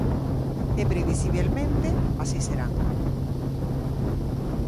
E previsibelmente así será.